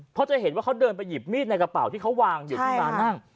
เพราะจะเห็นว่าเขาเดินไปหยิบมีดในกระเป๋าที่เขาวางอยู่ที่ร้านนั่ง